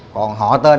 còn họ tên